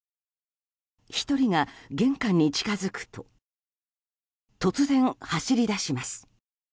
１人が玄関に近づくと突然、走り出します。